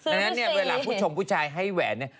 ดังนั้นเนี่ยเวลาผู้ชมผู้ชายให้แหวนเนี่ย